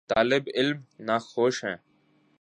طالب علم ناخوش ہیں۔